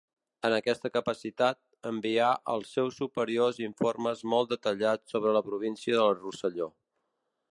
En aquesta capacitat, envià als seus superiors informes molt detallats sobre la província del Rosselló.